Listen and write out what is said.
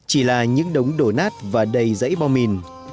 chỉ là những đống đổ nát và đầy dãy bom mìn